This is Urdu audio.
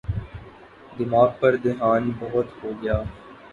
دفاع پہ دھیان بہت ہو گیا۔